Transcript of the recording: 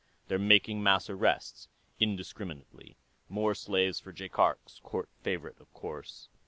They're making mass arrests, indiscriminately. More slaves for Jaikark's court favorite, of course."